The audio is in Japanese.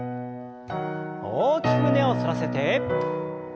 大きく胸を反らせて。